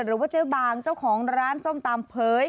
หรือว่าเจ๊บางเจ้าของร้านส้มตำเผย